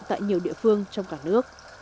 tại nhiều địa phương trong cả nước